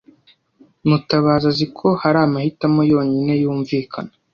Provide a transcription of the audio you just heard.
Mutabazi azi ko hari amahitamo yonyine yumvikana.